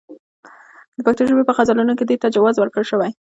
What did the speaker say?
د پښتو ژبې په غزلونو کې دې ته جواز ورکړل شوی.